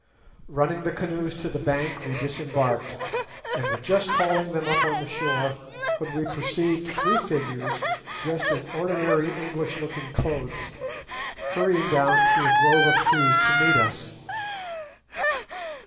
Running the canoes to the bank, we disembarked, and were just hauling them up on to the shore, when we perceived three figures, dressed in ordinary English looking clothes, hurrying down through a grove of trees to meet us.